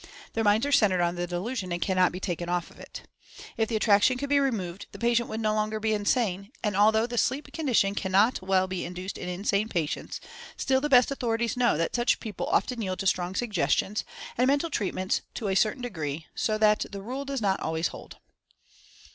Their minds are centered on the delusion and cannot be taken off it. If the attraction could be removed the patient would no longer be insane; and although the "sleep condition" cannot well be induced in insane patients, still the best authorities know that such peo ple often yield to strong suggestions, and mental treat ments, to a certain degree, so that the rule does not always hold.